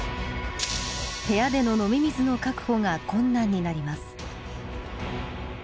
部屋での飲み水の確保が困難になります。